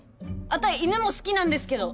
あたい犬も好きなんですけど！